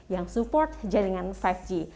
yang support jaringan lima g